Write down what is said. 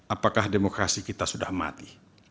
apakah demokrasi kita sudah mati